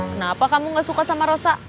kenapa kamu gak suka sama rosa